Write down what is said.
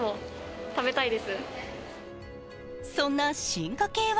そんな進化系和